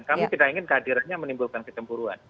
kami tidak ingin kehadirannya menimbulkan kecemburuan